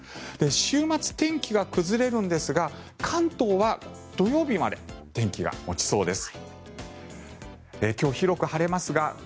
週末、天気が崩れるんですが関東は土曜日まで天気が持ちそうです。